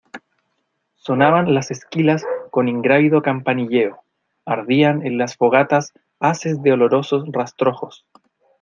sonaban las esquilas con ingrávido campanilleo, ardían en las fogatas haces de olorosos rastrojos